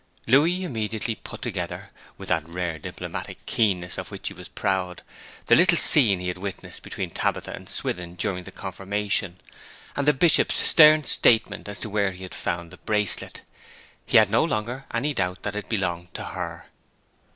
Louis immediately put together, with that rare diplomatic keenness of which he was proud, the little scene he had witnessed between Tabitha and Swithin during the confirmation, and the Bishop's stern statement as to where he had found the bracelet. He had no longer any doubt that it belonged to her.